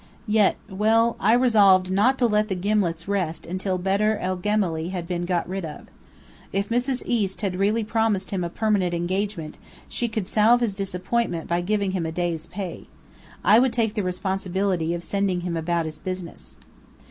Yet well, I resolved not to let the gimlets rust until Bedr el Gemály had been got rid of. If Mrs. East had really promised him a permanent engagement, she could salve his disappointment by giving him a day's pay. I would take the responsibility of sending him about his business.